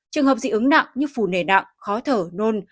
trường hợp dị ứng nặng như phù nề nặng khó thở nôn